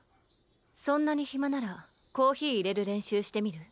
そんなに暇ならコーヒーいれる練習してみる？